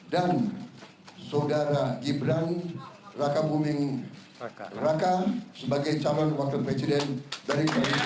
dan saudara gibran reka buming raka sebagai calon wakil presiden dari koalisi indonesia maju